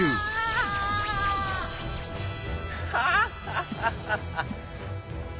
ハッハハハハ。